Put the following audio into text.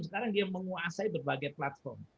sekarang dia menguasai berbagai platform